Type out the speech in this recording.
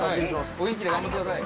お元気で頑張ってください。